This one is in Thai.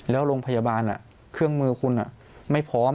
แล้วโรงพยาบาลเครื่องมือคุณไม่พร้อม